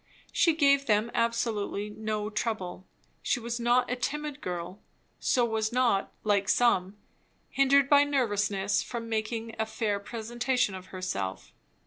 She gave them absolutely no trouble. She was not a timid girl; so was not, like some, hindered by nervousness from making a fair presentation of herself.